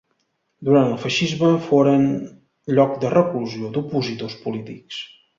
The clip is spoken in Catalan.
Durant el feixisme, foren lloc de reclusió d'opositors polítics.